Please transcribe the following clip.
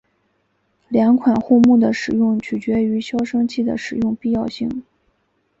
两款护木的使用取决于消声器的使用必要性。